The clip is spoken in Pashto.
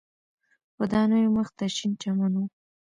ودانیو مخ ته شین چمن و.